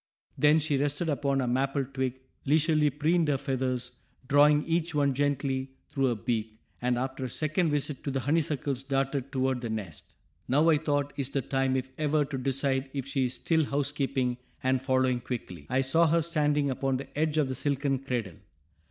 Then she rested upon a maple twig, leisurely preened her feathers, drawing each one gently through her beak, and after a second visit to the honeysuckles darted toward the nest. Now, I thought, is the time, if ever, to decide if she is still housekeeping, and following quickly, I saw her standing upon the edge of the silken cradle.